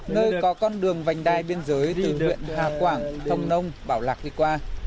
nơi có con đường vành đai biên giới từ huyện hà quảng hồng nông bảo lạc đi qua